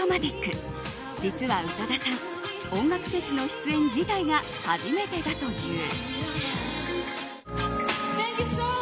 実は宇多田さん、音楽フェスの出演自体が初めてだという。